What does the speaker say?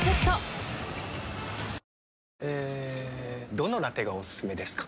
どのラテがおすすめですか？